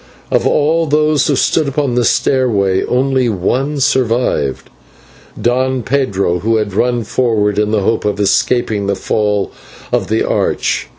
Of all those who stood upon the stairway only one survived, Don Pedro, who had run forward in the hope of escaping the fall of the arch.